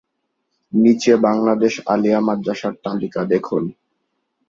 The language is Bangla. নিচে বাংলাদেশের আলিয়া মাদ্রাসার তালিকা দেখুন।